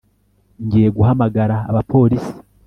Ngiye guhamagara abapolisi